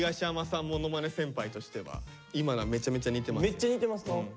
めっちゃ似てますか？